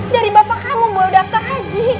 dari bapak kamu boleh daftar haji